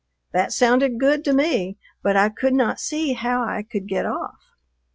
That sounded good to me, but I could not see how I could get off.